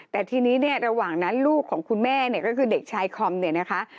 แต่ทีนี้ระหว่างนั้นลูกของคุณแม่ก็คือเด็กชายคอมนะคะ